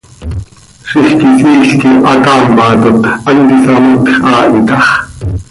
Zixquisiil quih hataamatot, hant isamatj haa hi tax.